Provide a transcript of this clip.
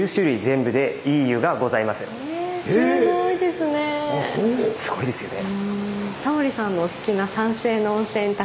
すごいですよね。